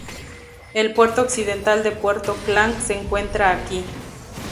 El puerto occidental de Puerto Klang se encuentra aquí.